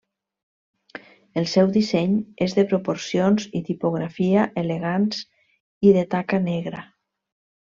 El seu disseny és de proporcions i tipografia elegants i de taca negra.